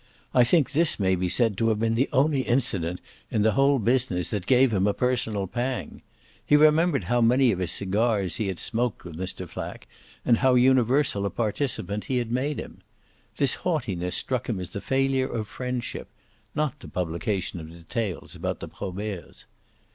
I think this may be said to have been the only incident in the whole business that gave him a personal pang. He remembered how many of his cigars he had smoked with Mr. Flack and how universal a participant he had made him. This haughtiness struck him as the failure of friendship not the publication of details about the Proberts.